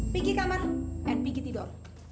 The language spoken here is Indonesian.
pigi kamar dan pigi tidur